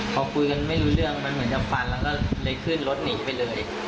พอคุยกันไม่รู้เรื่องมันเหมือนกับฟันแล้วก็เลยขึ้นรถหนีไปเลย